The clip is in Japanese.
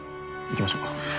行きましょう。